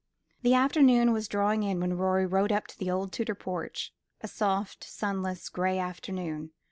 The afternoon was drawing in when Rorie rode up to the old Tudor porch a soft, sunless, gray afternoon.